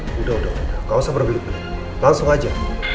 udah udah udah gak usah berbelit belit langsung aja